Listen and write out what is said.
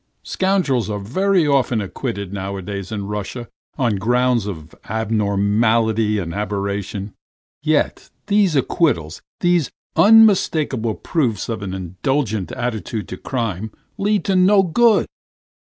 Scoundrels are very often acquitted nowadays in Russia on grounds of abnormality and aberration, yet these acquittals, these unmistakable proofs of an indulgent attitude to crime, lead to no good.